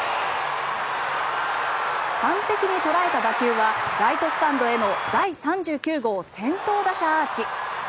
完璧に捉えた打球はライトスタンドへの第３９号先頭打者アーチ。